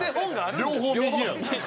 両方右やんこれ。